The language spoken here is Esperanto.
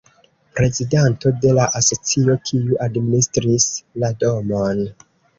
Prezidanto de la asocio, kiu administris la domon.